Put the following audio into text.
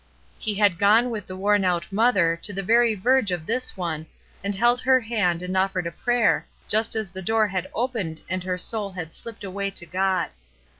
He had gone with the worn out mother to the very verge of this one, and held her hand and ofifered a prayer just as the door had opened and her soul had slipped away to God.